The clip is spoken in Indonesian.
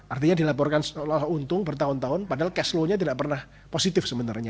artinya dilaporkan untung bertahun tahun padahal cash flow nya tidak pernah positif sebenarnya